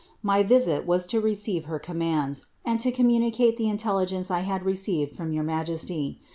Hy visit was to receive her commands, and to communicate the intelli ^ee I had received from your majesty.